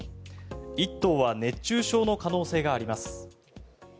１頭は熱中症の可能性があります。